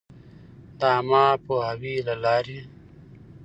د عــامه پـوهــاوي لـه لارې٫